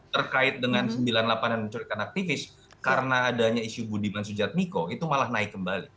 terkait dengan sembilan puluh delapan yang mencurikan aktivis karena adanya isu budiman sujadmiko itu malah naik kembali